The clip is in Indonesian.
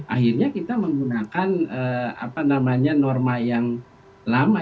akhirnya kita menggunakan apa namanya norma yang lama